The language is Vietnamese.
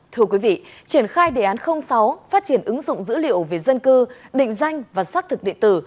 thưa quý vị triển khai đề án sáu phát triển ứng dụng dữ liệu về dân cư định danh và xác thực địa tử